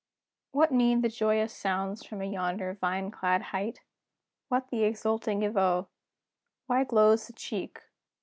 What mean the joyous sounds from yonder vine clad height? What the exulting Evoe? Why glows the cheek?